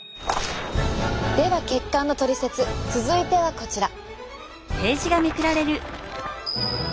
では血管のトリセツ続いてはこちら。